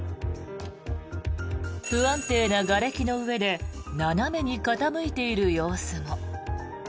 不安定ながれきの上で斜めに傾いている様子も。